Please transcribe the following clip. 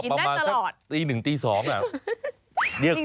ประมาณสักตีหนึ่งสักตีสอง